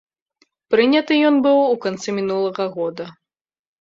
Прыняты ён быў у канцы мінулага года.